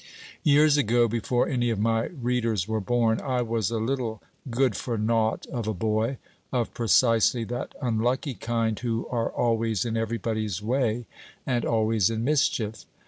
Years ago before any of my readers were born I was a little good for nought of a boy, of precisely that unlucky kind who are always in every body's way, and always in mischief.